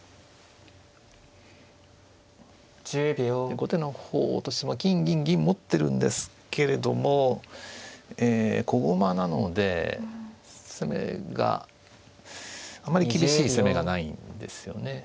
後手の方としては金銀銀持ってるんですけれども小駒なので攻めがあまり厳しい攻めがないんですよね。